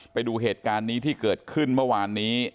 ไปดูเหตุการณ์นี้ที่เกิดขึ้นเมื่อวานนี้